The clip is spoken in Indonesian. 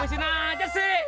bisa ngambil aja sih